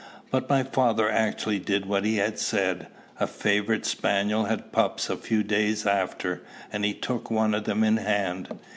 But my father actually did what he had said: a favorite spaniel had pups a few days after, and he took one of them in hand.